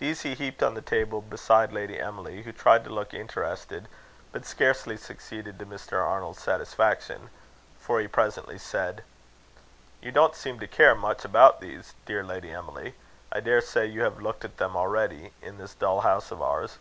These he heaped on the table beside Lady Emily, who tried to look interested, but scarcely succeeded to Mr. Arnold's satisfaction, for he presently said: "You don't seem to care much about these, dear Lady Emily. I daresay you have looked at them all already, in this dull house of ours."